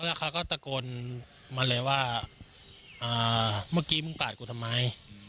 แล้วเขาก็ตะโกนมาเลยว่าเมื่อกี้มึงกาดกูทำไม